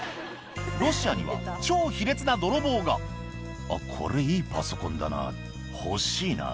ロシアには超卑劣な泥棒が「あっこれいいパソコンだな欲しいな」